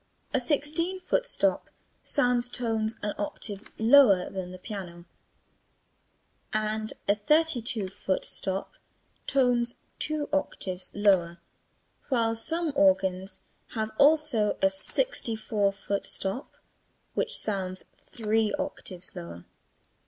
A sixteen foot stop sounds tones an octave lower than the piano, and a thirty two foot stop, tones two octaves lower, while some organs have also a sixty four foot stop which sounds three octaves lower.